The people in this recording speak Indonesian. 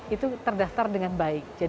itu terdaftar dengan baik